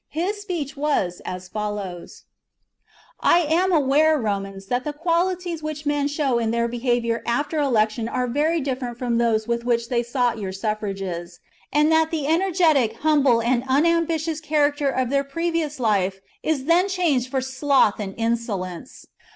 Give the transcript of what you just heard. His speech was as follows :— "I am aware, Romans, that the qualities which most men show in their behaviour after election are very different from those with which they sought your suffrages; and that the energetic, humble, and un THE JUGURTHINE WAR. 211 ambitious character of their previous life is then chap. changed for sloth and insolence.